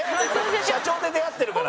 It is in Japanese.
社長で出会ってるから。